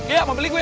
gaya mau beli gue